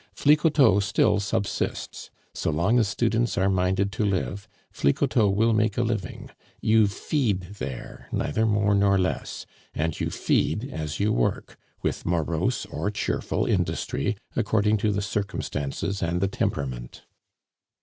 Flicoteaux still subsists; so long as students are minded to live, Flicoteaux will make a living. You feed there, neither more nor less; and you feed as you work, with morose or cheerful industry, according to the circumstances and the temperament.